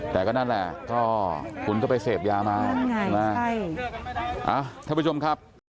แต่ก็นั่นแหละก็คุณก็ไปเสพยามาท่านผู้ชมครับ